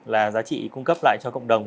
là giá trị cung cấp lại cho cộng đồng